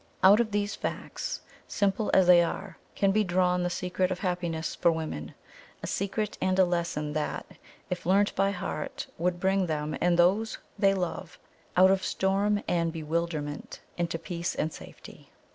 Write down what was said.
Out of these facts, simple as they are, can be drawn the secret of happiness for women a secret and a lesson that, if learned by heart, would bring them and those they love out of storm and bewilderment into peace and safety.